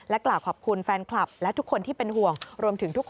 และกล่าวขอบคุณแฟนคลับและทุกคนที่เป็นห่วง